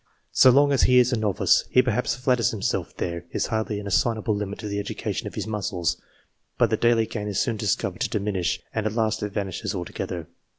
So long as he is a novice, he perhaps flatters himself there is hardly an assignable limit to the education of his muscles ; but the daily gain is soon discovered to diminish, and at last it vanishes altogether.